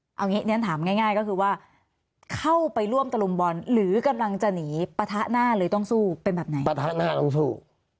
เอางี้เรียนถามง่ายก็คือว่าเข้าไปร่วมตะลุมบอลหรือกำลังจะหนีปะทะหน้าเลยต้องสู้เป็นแบบไหนปะทะหน้าต้องสู้